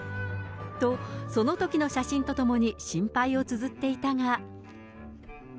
と、そのときの写真とともに心配をつづっていたが。